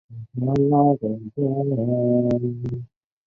母亲是林慕兰。